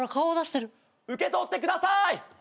・受け取ってください！